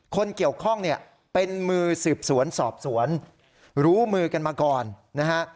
คนเกี่ยวข้องเนี่ยเป็นมือสืบสวนสอบสวนรู้มือกันมาก่อนนะฮะ